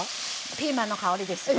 ピーマンの香りですよ。